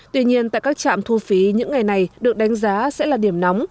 tuy nhiên tại các trạm thu phí những ngày này được đánh giá sẽ là điểm nóng